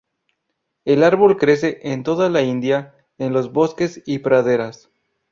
El árbol crece en toda la India en los bosques y praderas.